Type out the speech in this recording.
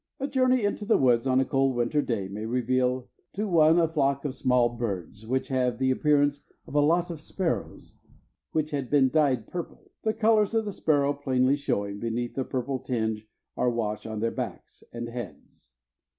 A journey into the woods on a cold winter day may reveal to one a flock of small birds, which have the appearance of a lot of sparrows which had been dyed purple, the colors of the sparrow plainly showing, beneath the purple tinge or wash on their backs and heads.